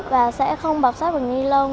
và sẽ không bọc sát bằng ni lông